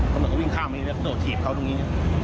เขาวิ่งข้ามมานี่แล้วโดดถีบเขาตรงนี้